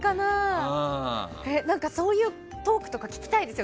そういうトークとか聞きたいです。